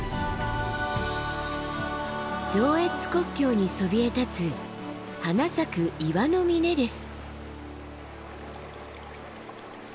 上越国境にそびえ立つ花咲く岩の峰です。